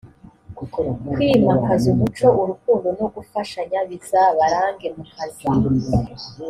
kwimakaza umuco urukundo no gufashanya bizabarange mu kazi